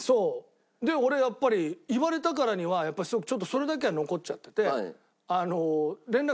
で俺やっぱり言われたからにはそれだけは残っちゃってて。